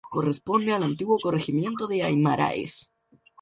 Corresponde al antiguo Corregimiento de Aymaraes.